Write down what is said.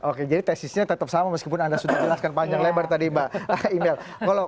oke jadi tesisnya tetap sama meskipun anda sudah jelaskan panjang lebar tadi mbak indal